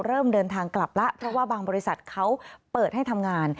เริ่มเดินทางกลับแล้วเพราะว่าบางบริษัทเขาเปิดให้ทำงาน